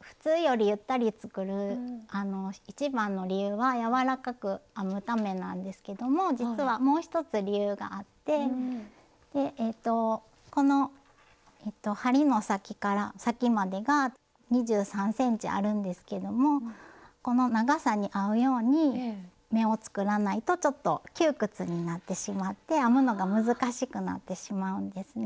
普通よりゆったり作る一番の理由は柔らかく編むためなんですけども実はもう一つ理由があってこの針の先から先までが２３ｃｍあるんですけどもこの長さに合うように目を作らないとちょっと窮屈になってしまって編むのが難しくなってしまうんですね。